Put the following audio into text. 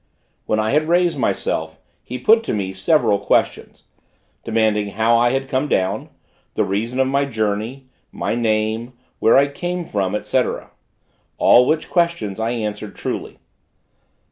When I had raised myself, he put to me several questions demanding how I had come down? the reason of my journey my name where I came from, &c., all which questions I answered truly.